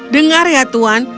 dengar ya tuan